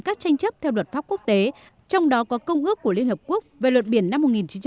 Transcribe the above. các tranh chấp theo luật pháp quốc tế trong đó có công ước của liên hợp quốc về luật biển năm một nghìn chín trăm tám mươi hai